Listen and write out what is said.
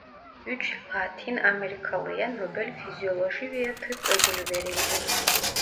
Üç Latin Amerikalıya Nobel Fizyoloji veya Tıp Ödülü verildi.